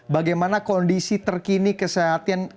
bagaimana kondisi terkini kesehatan